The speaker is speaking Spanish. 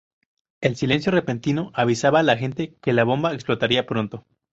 El silencio repentino avisaba a la gente que la bomba explotaría pronto.